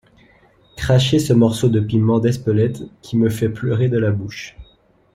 Cracher ce morceau de piment d’Espelette qui me fait pleurer de la bouche.